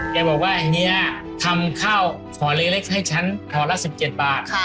แกบอกว่าเฮียทำข้าวห่อเล็กให้ฉันห่อละ๑๗บาท